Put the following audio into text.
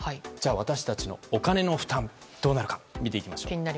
私たちのお金の負担がどうなるのか見ていきましょう。